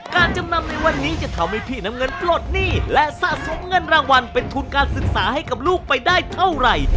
จำนำในวันนี้จะทำให้พี่น้ำเงินปลดหนี้และสะสมเงินรางวัลเป็นทุนการศึกษาให้กับลูกไปได้เท่าไหร่